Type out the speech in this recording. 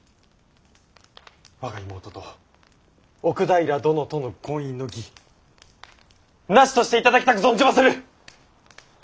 我が妹と奥平殿との婚姻の儀なしとしていただきたく存じまする！